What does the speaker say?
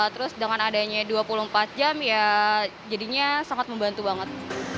terus dengan adanya dua puluh empat jam ya jadinya sangat membantu banget